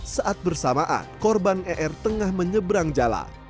saat bersamaan korban er tengah menyeberang jalan